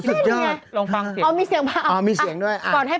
เออคอลลาเจนไง